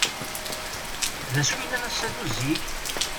D acu yellan ass-a d uzzig?